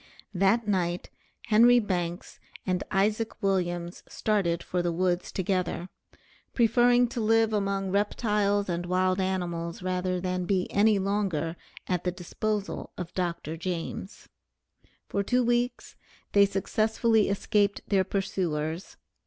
That night Henry Banks and Isaac Williams started for the woods together, preferring to live among reptiles and wild animals, rather than be any longer at the disposal of Dr. James. For two weeks they successfully escaped their pursuers.